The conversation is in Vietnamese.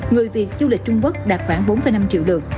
người việt du lịch trung quốc đạt khoảng bốn năm triệu lượt